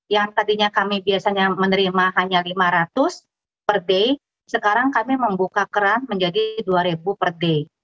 yang tadinya kami biasanya menerima hanya lima ratus per day sekarang kami membuka keran menjadi rp dua per day